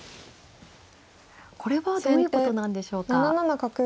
これはどういうことなんでしょうか。